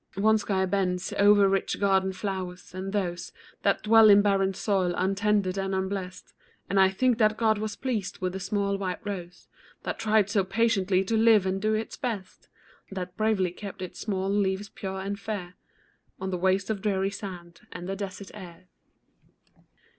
One sky bends o'er rich garden flowers, and those That dwell in barren soil, untended and unblest; And I think that God was pleased with the small white rose, That tried so patiently to live and do its best; That bravely kept its small leaves pure and fair On the waste of dreary sand, and the desert air.